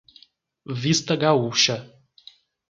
Vista Gaúcha